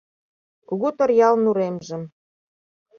Кугу Торъялын уремжым